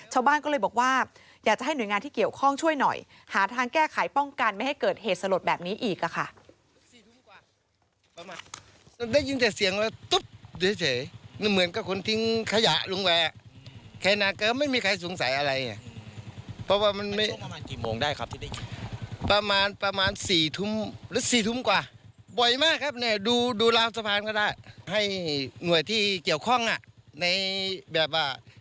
ชาวบ้านก็เลยบอกว่าอยากจะให้หน่วยงานที่เกี่ยวข้องช่วยหน่อยหาทางแก้ไขป้องกันไม่ให้เกิดเหตุสลดแบบนี้อีกค่ะ